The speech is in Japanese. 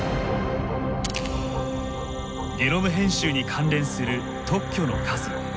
ゲノム編集に関連する特許の数。